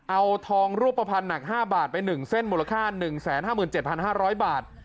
เอาทองรูปภัณฑ์หนัก๕บาทไป๑เส้นมูลค่า๑๕๗๕๐๐บาท